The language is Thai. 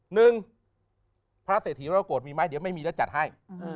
หนึ่งพระเศรษฐีวรกฏมีไหมเดี๋ยวไม่มีแล้วจัดให้